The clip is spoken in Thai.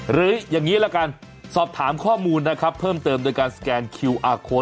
หรืออย่างนี้ละกันสอบถามข้อมูลนะครับเพิ่มเติมโดยการสแกนคิวอาร์โค้ด